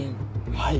はい。